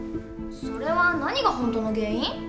それは何が本当の原因？